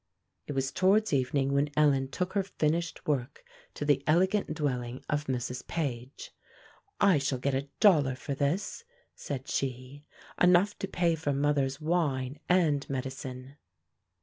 It was towards evening when Ellen took her finished work to the elegant dwelling of Mrs. Page. "I shall get a dollar for this," said she; "enough to pay for mother's wine and medicine."